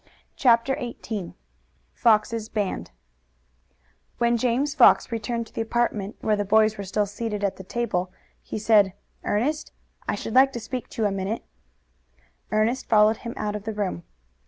CHAPTER XVIII FOX'S BAND When James Fox returned to the apartment where the boys were still seated at the table he said: "Ernest, I should like to speak to you a minute." Ernest followed him out of the room.